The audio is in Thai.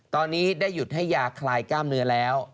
ตอนนี้ได้หยุดให้ยาคลายกล้ามเนื้อแล้ว